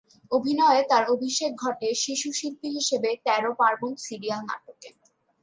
অভিনয়ে তার অভিষেক ঘটে শিশু শিল্পী হিসেবে, তেরো পার্বণ সিরিয়াল নাটকে।